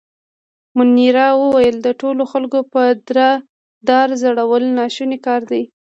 مانیرا وویل: د ټولو خلکو په دار ځړول ناشونی کار دی.